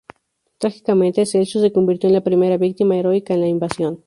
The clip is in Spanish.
Trágicamente, Celsius se convirtió en la primera víctima heroica en la invasión.